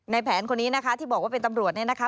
แผนคนนี้นะคะที่บอกว่าเป็นตำรวจเนี่ยนะคะ